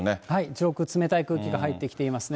上空、冷たい空気が入ってきていますね。